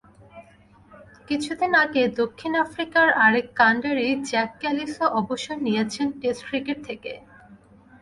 কিছুদিন আগে দক্ষিণ আফ্রিকার আরেক কাণ্ডারি জ্যাক ক্যালিসও অবসর নিয়েছেন টেস্ট ক্রিকেট থেকে।